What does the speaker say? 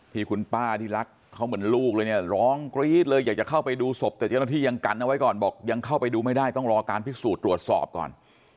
ที่คุณป้าที่รักเขาเหมือนลูกเลยเนี่ยร้องกรี๊ดเลยอยากจะเข้าไปดูศพแต่เจ้าหน้าที่ยังกันเอาไว้ก่อนบอกยังเข้าไปดูไม่ได้ต้องรอการพิสูจน์ตรวจสอบก่อน